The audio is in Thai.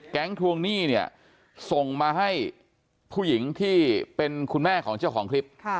ทวงหนี้เนี่ยส่งมาให้ผู้หญิงที่เป็นคุณแม่ของเจ้าของคลิป